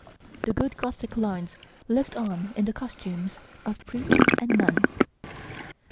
The good Gothic lines lived on in the costumes of priests and nuns.